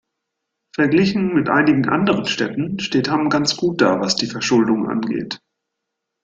Verglichen mit einigen anderen Städten steht Hamm ganz gut da, was die Verschuldung angeht.